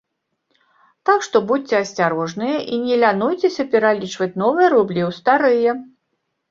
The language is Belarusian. Так што будзьце асцярожныя і не лянуйцеся пералічваць новыя рублі ў старыя.